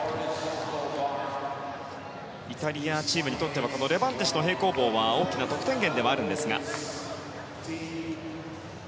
イタリアチームにとってはレバンテシの平行棒は大きな得点源ではあるんですが。